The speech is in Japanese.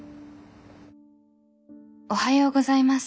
「おはようございます。